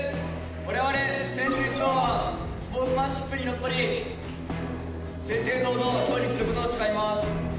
我々選手一同はスポーツマンシップにのっとり正々堂々競技する事を誓います。